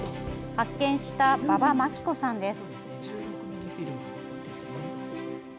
発見した馬場真紀子さんです。